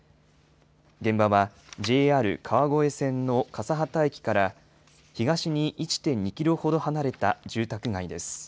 現場は、ＪＲ川越線の笠幡駅から東に１．２キロほど離れた住宅街です。